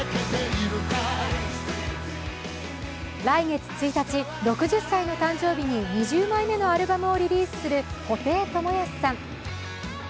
来月１日、６０歳の誕生日に２０枚目のアルバムをリリースする布袋寅泰さん。